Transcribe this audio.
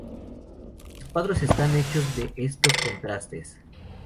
Mis cuadros están hechos de estos contrastes".